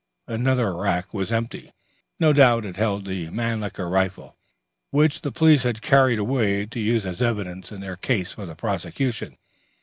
Another rack was empty; no doubt it had held the Mannlicher rifle, which the police had carried away to use as evidence in their case for the prosecution.